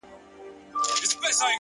یوار مسجد ته ګورم’ بیا و درمسال ته ګورم’